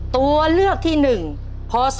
ตัวเลือกที่หนึ่งภศ๒๔๔๒